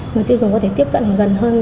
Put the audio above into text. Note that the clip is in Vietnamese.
người tiêu dùng có thể tiếp cận gần hơn